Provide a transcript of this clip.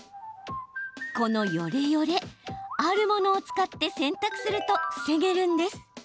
このヨレヨレ、あるものを使って洗濯すると防げるんです。